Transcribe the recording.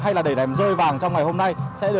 hay là để đèm rơi vàng trong ngày hôm nay